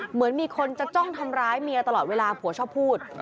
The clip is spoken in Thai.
เหมือนมีคนจะจ้องทำร้ายเมียตลอดเวลาผัวชอบพูด